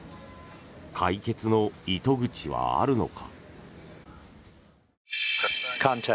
解決の糸口はあるのか。